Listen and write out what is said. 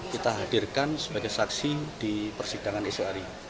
kita hadirkan sebagai saksi di persidangan sri